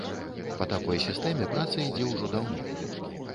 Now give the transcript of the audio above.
Па такой сістэме праца ідзе ўжо даўно.